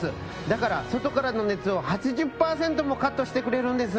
だから外からの熱を８０％もカットしてくれるんです！